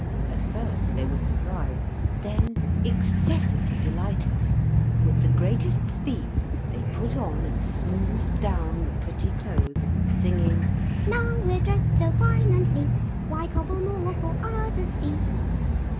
At first they were surprised, then excessively delighted. With the greatest speed they put on and smoothed down the pretty clothes, singing: "Now we're dressed so fine and neat, Why cobble more for others' feet?"